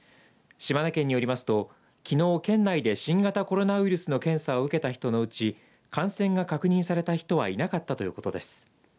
島根県によりますときのう、県内で新型コロナウイルスの検査を受けた人のうち感染が確認された人はいなかったということです。